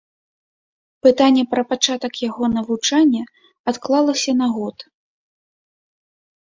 Пытанне пра пачатак яго навучання адклалася на год.